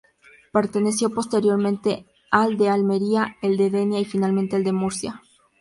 Perteneció posteriormente al de Almería, el de Denia y finalmente el de Murcia.